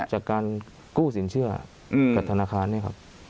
จากการกู้สินเชื่อกับธนาคารเนี่ยครับ